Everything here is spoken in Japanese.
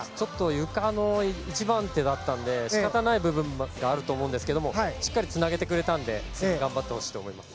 ゆかの１番手だったので仕方がない部分はあるんですがしっかりつなげてくれたので次、頑張ってほしいです。